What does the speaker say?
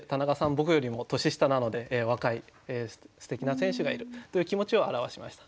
僕よりも年下なので若いすてきな選手がいるという気持ちを表しました。